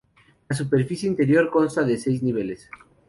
La superficie interior consta de seis niveles.